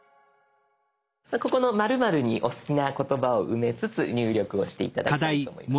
ここの「○○」にお好きな言葉を埋めつつ入力をして頂きたいと思います。